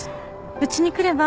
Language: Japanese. うちに来れば？